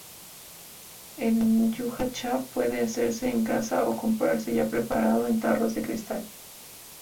El "yuja-cha" puede hacerse en casa o comprarse ya preparado en tarros de cristal.